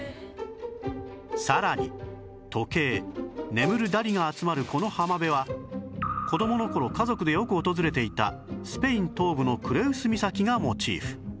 さらに時計眠るダリが集まるこの浜辺は子どもの頃家族でよく訪れていたスペイン東部のクレウス岬がモチーフ